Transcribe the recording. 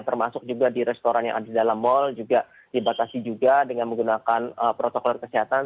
termasuk juga di restoran yang ada di dalam mal juga dibatasi juga dengan menggunakan protokol kesehatan